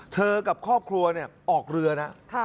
กับครอบครัวออกเรือนะ